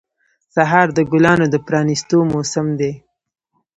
سهار د ګلانو د پرانیستو موسم دی.